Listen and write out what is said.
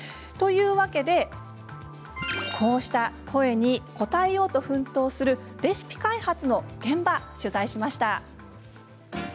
というわけでこうした声に応えようと奮闘するレシピ開発の現場を取材しました。